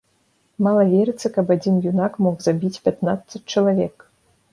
Мала верыцца, каб адзін юнак мог забіць пятнаццаць чалавек.